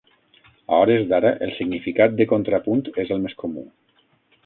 A hores d'ara, el significat de contrapunt és el més comú.